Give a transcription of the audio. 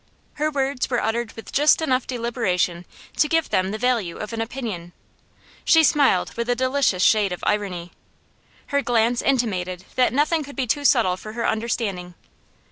Her words were uttered with just enough deliberation to give them the value of an opinion; she smiled with a delicious shade of irony; her glance intimated that nothing could be too subtle for her understanding.